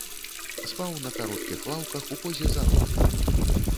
Спаў на кароткіх лаўках у позе зародка.